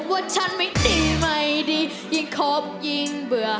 ว่าฉันไม่ตีไม่ดียิ่งคบยิ่งเบื่อ